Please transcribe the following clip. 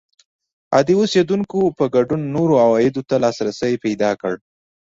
عادي اوسېدونکو په ګډون نورو عوایدو ته لاسرسی پیدا کړ